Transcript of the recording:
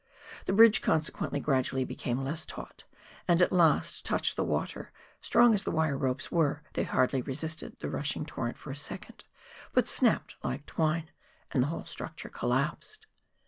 The bridge consequently gradually became less taut, and at last touched the water ; strong as the wire ropes were, tliej" hardly resisted the rushing torrent for a second, but snapped lilce twine, and the whole structure collapsed.